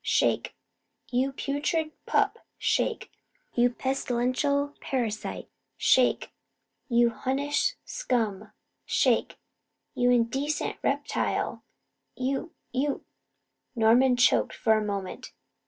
shake "you putrid pup" shake "you pestilential parasite" shake "you Hunnish scum" shake "you indecent reptile you you " Norman choked for a moment.